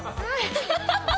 ハハハハ！